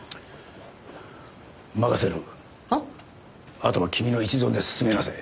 あとは君の一存で進めなさい。